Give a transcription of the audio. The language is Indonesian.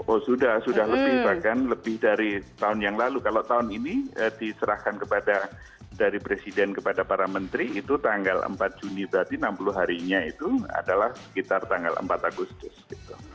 oh sudah sudah lebih bahkan lebih dari tahun yang lalu kalau tahun ini diserahkan kepada dari presiden kepada para menteri itu tanggal empat juni berarti enam puluh harinya itu adalah sekitar tanggal empat agustus gitu